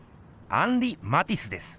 アンリ・マティスです。